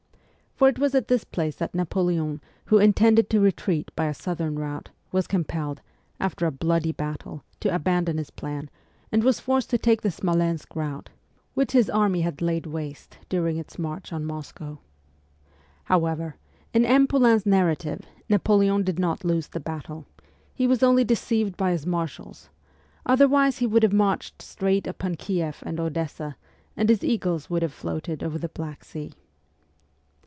For it was at this place that Napoleon, who intended to retreat by a southern route, was compelled, after a bloody battle, to abandon his plan, and was forced to take the Smolensk route, which his army had laid VOL. I. E 60 MEMOIRS OF A REVOLUTIONIST waste during its march on Moscow. However, in M. Poulain's narrative, Napoleon did not lose the battle : he was only deceived by his marshals; otherwise he would have marched straight upon Kieff and Odessa, and his eagles would have floated over the Black Sea.